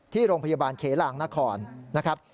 ที่โรงพยาบาลเขลางนครนะครับ